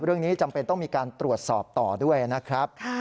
จำเป็นต้องมีการตรวจสอบต่อด้วยนะครับ